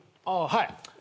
はい。